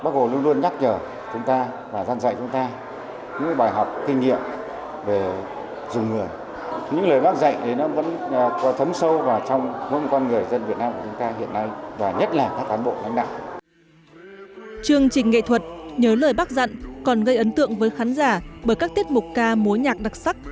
chương trình nghệ thuật nhớ lời bác dặn còn gây ấn tượng với khán giả bởi các tiết mục ca mối nhạc đặc sắc